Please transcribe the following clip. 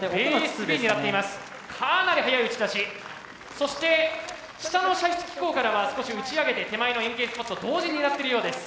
そして下の射出機構からは少し打ち上げて手前の円形スポット同時に狙ってるようです。